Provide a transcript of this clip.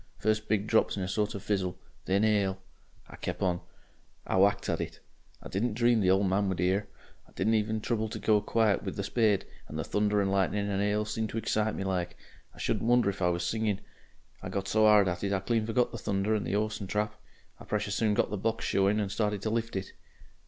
First big drops in a sort of fizzle, then 'ail. I kep'on. I whacked at it I didn't dream the old man would 'ear. I didn't even trouble to go quiet with the spade, and the thunder and lightning and 'ail seemed to excite me like. I shouldn't wonder if I was singing. I got so 'ard at it I clean forgot the thunder and the 'orse and trap. I precious soon got the box showing, and started to lift it...."